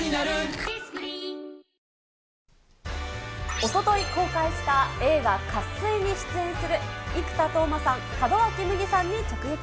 おととい公開した映画、渇水に出演する生田斗真さん、門脇麦さんに直撃。